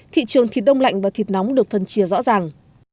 thị trường thịt đông lạnh và thịt nóng được phân chia rõ ràng